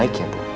baik ya bu